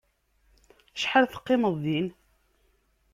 Acḥal teqqimeḍ din?